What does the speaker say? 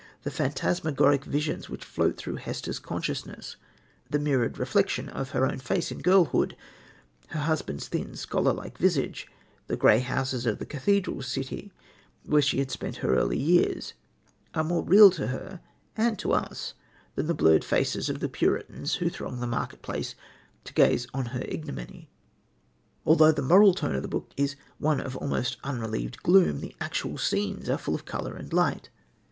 The phantasmagoric visions which float through Hester's consciousness the mirrored reflection of her own face in girlhood, her husband's thin, scholar like visage, the grey houses of the cathedral city where she had spent her early years are more real to her and to us than the blurred faces of the Puritans who throng the marketplace to gaze on her ignominy. Although the moral tone of the book is one of almost unrelieved gloom, the actual scenes are full of colour and light.